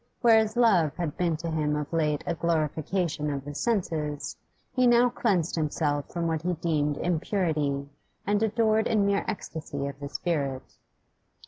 Whereas love had been to him of late a glorification of the senses, he now cleansed himself from what he deemed impurity and adored in mere ecstasy of the spirit.